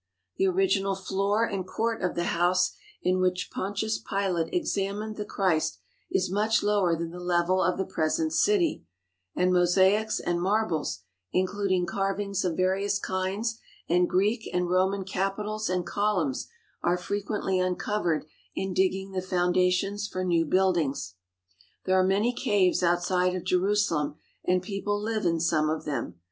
The original floor and court of the house in 38 JERUSALEM IN THE TWENTIETH CENTURY which Pontius Pilate examined the Christ is much lower than the level of the present city, and mosaics and mar bles, including carvings of various kinds and Greek and Roman capitals and columns, are frequently uncovered in digging the foundations for new buildings. There are many caves outside of Jerusalem and people live in some of them.